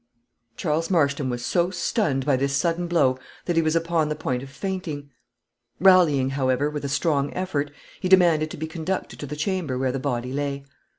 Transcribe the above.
Charles Marston was so stunned by this sudden blow, that he was upon the point of fainting. Rallying, however, with a strong effort, he demanded to be conducted to the chamber where the body lay.